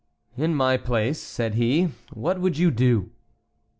"In my place," said he, "what would you do?"